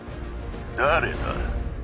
誰だ？